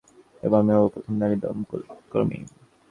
তারপর আমি হব প্রথম নারী দমকল কর্মী।